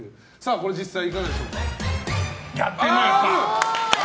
これ実際いかがでしょうか。